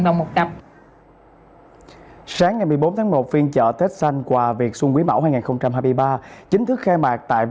năm ngoái thì kể cả nhà vườn bọn tôi